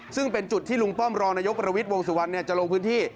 ซึ่งเป็นจุดที่ลุงป้อมรองนายกประวิทย์วงสุวรรณจะลงพื้นที่